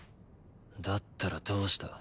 だったらどうした。